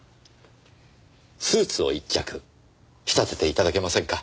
スーツを一着仕立てていただけませんか。